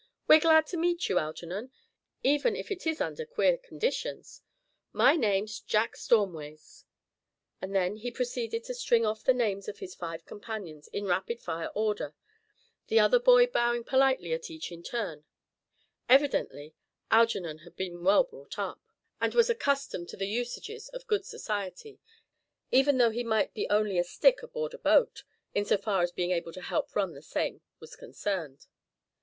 "We're glad to meet you, Algernon, even if it is under queer conditions. My name's Jack Stormways," and then he proceeded to string off the names of his five companions in rapid fire order, the other boy bowing politely at each in turn; evidently Algernon had been well brought up, and was accustomed to the usages of good society, even though he might be only a "stick" aboard a boat, insofar as being able to help run the same was concerned.